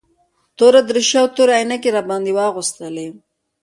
توره دريشي او تورې عينکې يې راباندې واغوستلې.